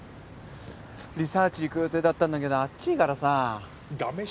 リサーチ行く予定だったんだけど暑いからさ。